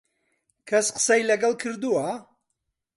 کەس قسەی لەگەڵ کردووە؟